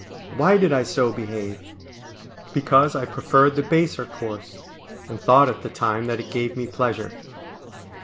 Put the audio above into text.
Why did I so behave? Because I preferred the baser course, and thought at the time that it gave me pleasure.